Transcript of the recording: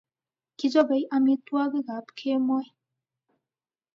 Kichopei amitwokik ab kemoi